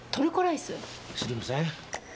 知りません？